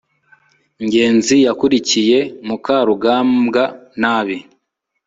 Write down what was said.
ngenzi yakurikiye mukarugambwa nabi